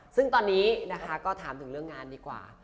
ซึ่งตอนนี้นะคะก็ถามถึงเรื่องงานดีกว่า